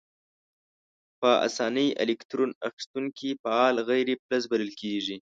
په آساني الکترون اخیستونکي فعال غیر فلز بلل کیږي.